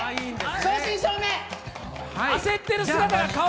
正真正銘！